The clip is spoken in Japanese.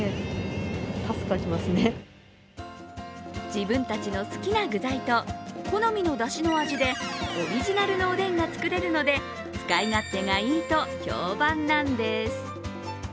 自分たちの好きな具材と、好みのだしの味でオリジナルのおでんが作れるので使い勝手がいいと評判なんです。